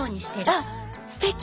あっすてき！